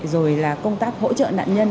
và công tác hỗ trợ nạn nhân